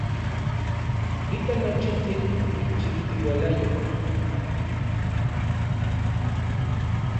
Ika nochi tlen okichijtiualayaj.